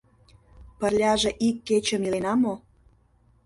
Пырляже ик кечым илена мо?